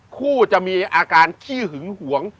คู่จะมีอาการขี้หึงหวง